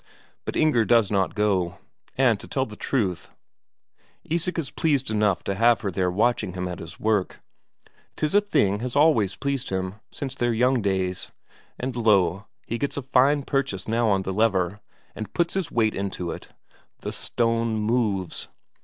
But Inger does not go. And to tell the truth, Isak is pleased enough to have her there watching him at his work; 'tis a thing has always pleased him, since their young days. And lo, he gets a fine purchase now on the lever, and puts his weight into it the stone moves!